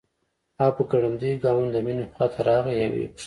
هغه په ګړنديو ګامونو د مينې خواته راغی او وپوښتل